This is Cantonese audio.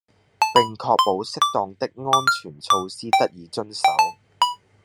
並確保適當的安全措施得以遵守